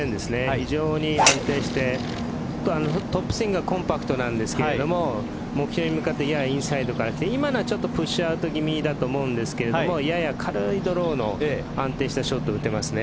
非常に安定してトップスイングはコンパクトなんですが目標に向かってややインサイドから今のはちょっとプッシュアウト気味だと思うんですがやや軽いドローの安定したショットを打ってますね。